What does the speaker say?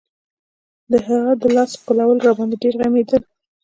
د هغه د لاس ښکلول راباندې ډېر غمېدل.